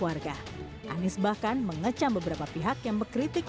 anies bahkan mengecam beberapa pihak yang mengkritik